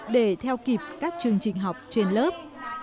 để theo kịp các chương trình học trên lớp